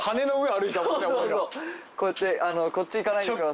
こうやってこっち行かないでくださ。